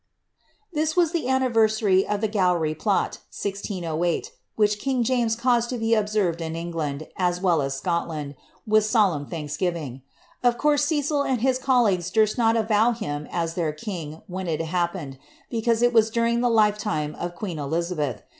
^' This was the annivereaiy of the Gowry plot, 1608, which king James caused to be observed in England, as well as Scotland, with solemn ihanksgiriDg. Of course, Cecil and his colleagues durst not stow nim as their king when it happened, because it was during the lifetime of queen Elizabeth.